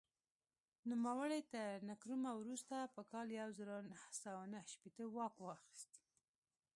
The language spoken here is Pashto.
نوموړي تر نکرومه وروسته په کال یو زر نهه سوه نهه شپېته واک واخیست.